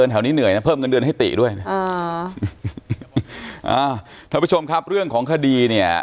ไหมเพิ่มเงินเดือนให้ตีด้วยถ้าผู้ชมครับเรื่องของคดีเนี่ย